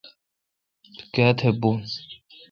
تو کیا تھہ بون۔